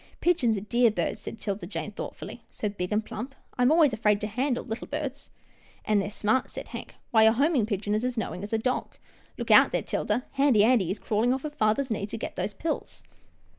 " Pigeons are dear birds," said 'Tilda Jane, thoughtfully, " so big and plump. I am always afraid to handle little birds." " And they're smart," said Hank. " Why, a hom ing pigeon is as knowing as a dog — Look out there, 'Tilda. Handy Andy is crawHng off father's knee to get those pills."